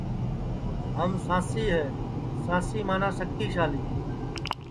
ہم سانسی ہے سانسی منا شکتی شالی کہ ہم مکابلہ کرتے ہے